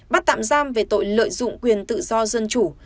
bắt tạm giam về tội lợi dụng quyền tự do dân chủ